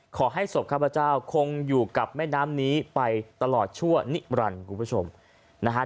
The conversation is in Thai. ศพข้าพเจ้าคงอยู่กับแม่น้ำนี้ไปตลอดชั่วนิรันดิ์คุณผู้ชมนะฮะ